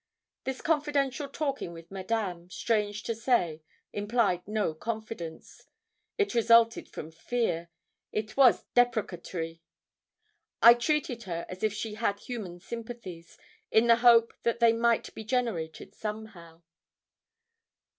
This confidential talking with Madame, strange to say, implied no confidence; it resulted from fear it was deprecatory. I treated her as if she had human sympathies, in the hope that they might be generated somehow.